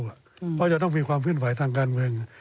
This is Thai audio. เพราะจะต้องมีความเคลื่อนไหวทางการเมือง